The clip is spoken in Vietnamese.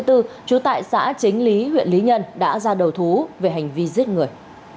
trú tại xã chính lý huyện lý nhân đã ra đầu thú về hành vi giết người